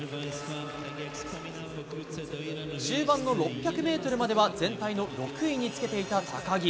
中盤の６００ｍまでは全体の６位につけていた高木。